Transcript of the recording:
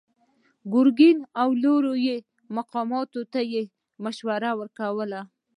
ګرګين او لوړو مقاماتو ته به يې مشورې ورکولې.